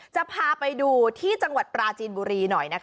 จะพาไปดูที่จังหวัดปราจีนบุรีหน่อย